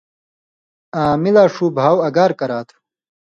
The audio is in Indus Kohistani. آں می لا ݜُو بھاؤ اگار کرا تُھو۔